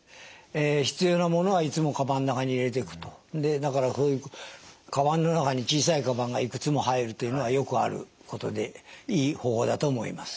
必要なものはいつもかばんの中に入れてくとでだからそういうかばんの中に小さいかばんがいくつも入るというのはよくあることでいい方法だと思います。